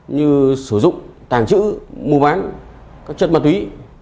như sử dụng tàng trữ mua bán các chất ma túy